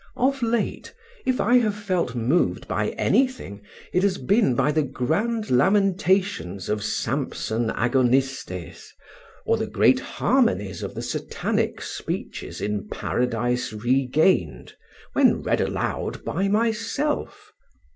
Of late, if I have felt moved by anything it has been by the grand lamentations of Samson Agonistes, or the great harmonies of the Satanic speeches in Paradise Regained, when read aloud by myself.